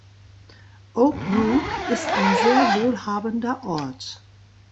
Oak Brook ist ein sehr wohlhabender Ort.